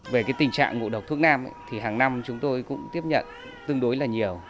về tình trạng ngộ độc thuốc nam thì hàng năm chúng tôi cũng tiếp nhận tương đối là nhiều